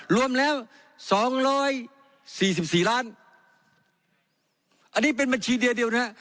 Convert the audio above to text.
รวมแล้วสองร้อยสี่สิบสี่ล้านอันนี้เป็นบัญชีเดียวนะฮะ